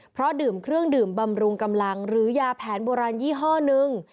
เพราะดื่มเครื่องดื่มบำรุงกำลังหรือยาแผนโบราณยี่ห้อนึง